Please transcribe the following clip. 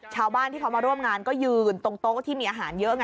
ชาวบ้านที่เขามาร่วมงานก็ยืนตรงโต๊ะที่มีอาหารเยอะไง